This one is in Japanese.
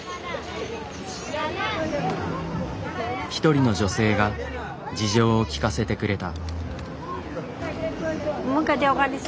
一人の女性が事情を聞かせてくれた。